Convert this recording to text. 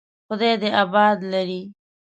خدای دې آباد لري.